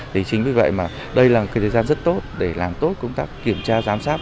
thì chính vì vậy mà đây là một thời gian rất tốt để làm tốt công tác kiểm tra giám sát